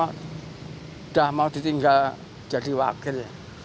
sudah mau ditinggal jadi wakil